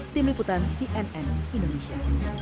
tim liputan cnn indonesia